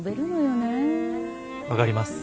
分かります。